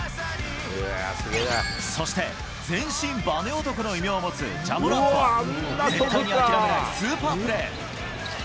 そして、全身ばね男の異名を持つジャ・モラントは絶対に諦めないスーパープレー。